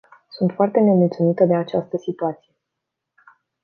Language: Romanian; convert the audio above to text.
Sunt foarte nemulțumită de această situație.